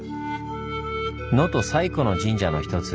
能登最古の神社の一つ